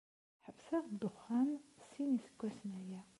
Ḥebseɣ dduxxan sin iseggasen aya.